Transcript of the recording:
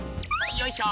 よいしょ！